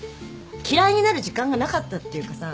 嫌いになる時間がなかったっていうかさ。